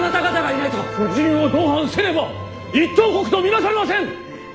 夫人を同伴せねば一等国と見なされません！